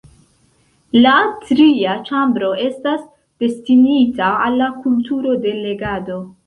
La tria ĉambro estas destinita al la kulturo de legado.